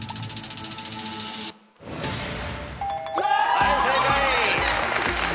はい正解。